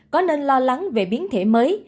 có nên lo lắng về biến thể mới